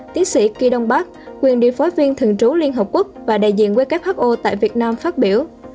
tiến sĩ guy đông bác quyền địa phó viên thượng trú liên hợp quốc và đại diện who tại việt nam phát biểu